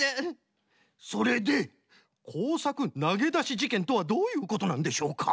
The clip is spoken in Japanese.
それで「こうさくなげだしじけん」とはどういうことなんでしょうか？